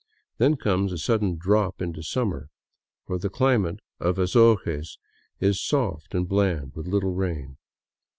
Then comes a sudden drop into summer; for the climate of Azogues is soft and bland, with little rain.